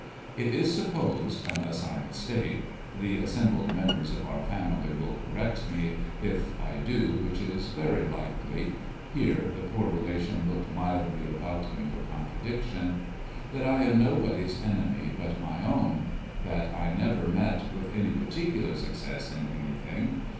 It is supposed, unless I mistake — the assembled members of our family will correct me if I do, which is very likely (here the poor relation looked mildly about him for contradiction) ; that I am nobody's enemy but my own. That I never met with any particular success in anything.